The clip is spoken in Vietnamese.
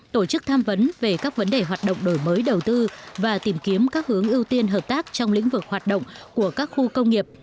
tổ chức tham vấn về các vấn đề hoạt động đổi mới đầu tư và tìm kiếm các hướng ưu tiên hợp tác trong lĩnh vực hoạt động của các khu công nghiệp